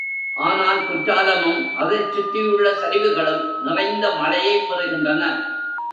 ஆனால் குற்றாலமும் அதைச் சுற்றியுள்ள சரிவுகளும் நிறைந்த மழையைப் பெறுகின்றன.